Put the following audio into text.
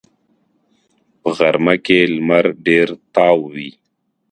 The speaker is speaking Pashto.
په غرمه کې لمر ډېر تاو وي